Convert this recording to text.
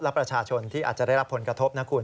และประชาชนที่อาจจะได้รับผลกระทบนะคุณ